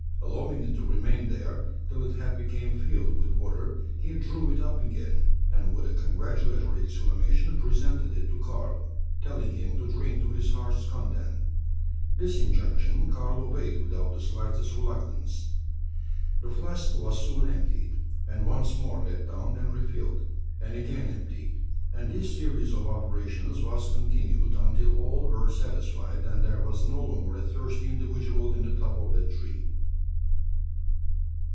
Allowing it to remain there, till it had become filled with water, he drew it up again; and with a congratulatory exclamation presented it to Karl, telling him to drink to his heart's content. This injunction Karl obeyed without the slightest reluctance. The flask was soon emptied; and once more let down and re filled, and again emptied; and this series of operations was continued, until all were satisfied, and there was no longer a thirsty individual in the top of that tree.